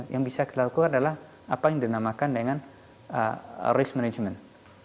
yang bisa kita lakukan adalah apa yang dinamakan dengan risk management